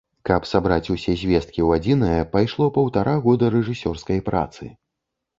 Каб сабраць усе звесткі ў адзінае пайшло паўтара года рэжысёрскай працы.